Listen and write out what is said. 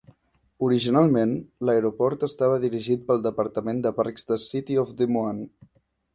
Originalment, l"aeroport estava dirigit pel Departament de parcs de City of Des Moines.